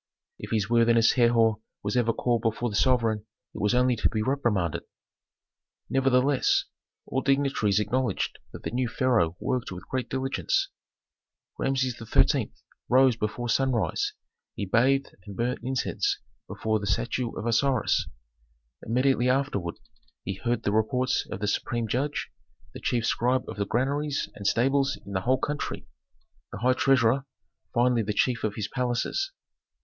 If his worthiness Herhor was ever called before the sovereign it was only to be reprimanded. Nevertheless, all dignitaries acknowledged that the new pharaoh worked with great diligence. Rameses XIII. rose before sunrise, he bathed and burnt incense before the statue of Osiris. Immediately afterward he heard the reports of the supreme judge, the chief scribe of the granaries and stables in the whole country, the high treasurer, finally the chief of his palaces.